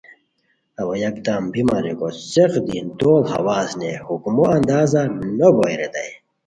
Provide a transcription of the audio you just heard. اوا یکدم بیمان ریکو څیق دی دوڑ ہواز نئے حکمو اندازا نو بوئے ریتائے